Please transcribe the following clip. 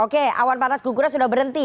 oke awan panas guguran sudah berhenti